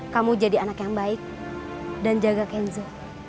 kamu jadi anak yang baik dan jaga kenzo